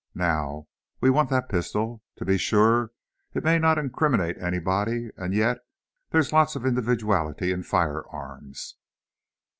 Now, we want that pistol. To be sure, it may not incriminate anybody, and yet, there's lots of individuality in firearms!"